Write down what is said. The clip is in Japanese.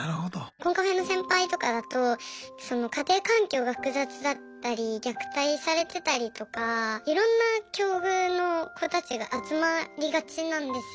コンカフェの先輩とかだと家庭環境が複雑だったり虐待されてたりとかいろんな境遇の子たちが集まりがちなんですよ。